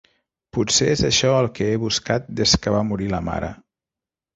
Potser és això el que he buscat des que va morir la mare.